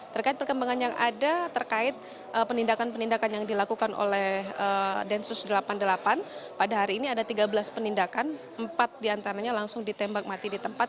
terkait perkembangan yang ada terkait penindakan penindakan yang dilakukan oleh densus delapan puluh delapan pada hari ini ada tiga belas penindakan empat diantaranya langsung ditembak mati di tempat